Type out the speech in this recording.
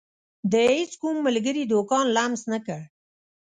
د هيڅ کوم ملګري دکان لمس نه کړ.